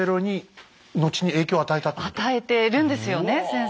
与えてるんですよね先生。